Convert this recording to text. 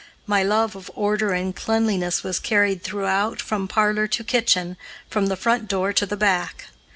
My love of order and cleanliness was carried throughout, from parlor to kitchen, from the front door to the back.